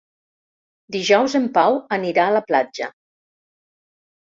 Dijous en Pau anirà a la platja.